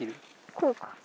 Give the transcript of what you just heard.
こうか。